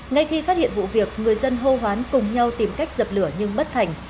ngay khi phát hiện vụ việc người dân hô hoán cùng nhau tìm cách dập lửa nhưng bất thành